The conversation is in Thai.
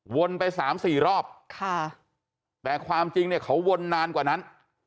ไปสามสี่รอบค่ะแต่ความจริงเนี่ยเขาวนนานกว่านั้น